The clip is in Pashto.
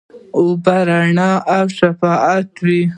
اوبه رڼا او شفافه وي.